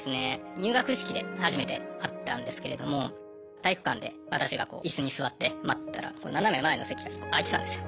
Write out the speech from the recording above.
入学式で初めて会ったんですけれども体育館で私が椅子に座って待ってたら斜め前の席が１個空いてたんですよ。